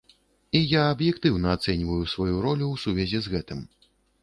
І я аб'ектыўна ацэньваю сваю ролю ў сувязі з гэтым.